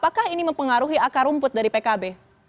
dan apakah ini mempengaruhi akar rumput dari pkb